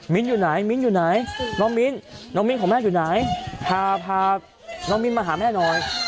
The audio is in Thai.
มิ้นอยู่ไหนน้องมิ้นของแม่อยู่ไหนพามิ้นมาหาแม่น้อย